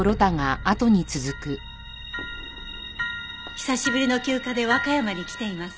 久しぶりの休暇で和歌山に来ています